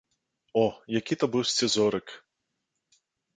О, які то быў сцізорык!